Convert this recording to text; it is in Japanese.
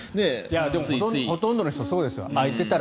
ほとんどの人はそうですよ。